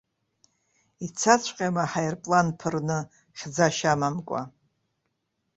Ицаҵәҟьама аҳаирплан ԥырны, хьӡашьа амамкәа?